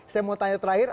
saya mau tanya terakhir